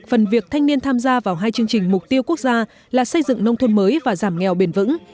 phần việc thanh niên tham gia vào hai chương trình mục tiêu quốc gia là xây dựng nông thôn mới và giảm nghèo bền vững